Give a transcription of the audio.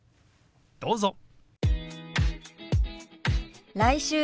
どうぞ。